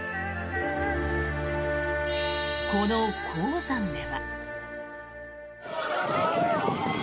この衡山では。